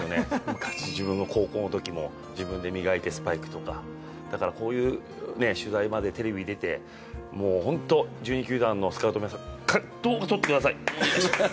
昔、自分が高校のときもスパイクとか磨いてだからこういう取材までテレビ出て本当、１２球団のスカウトの皆さんどうかとってください。